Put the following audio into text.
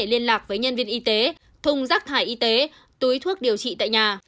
để liên lạc với nhân viên y tế thùng rắc thải y tế túi thuốc điều trị tại nhà